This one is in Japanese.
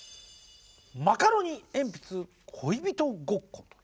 マカロニえんぴつ「恋人ごっこ」。